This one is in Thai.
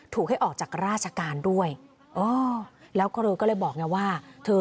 ถูกให้ออกจากราชการด้วยโอ้แล้วก็เลยบอกไงว่า